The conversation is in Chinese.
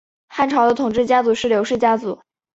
汉朝的统治家族是刘氏家族。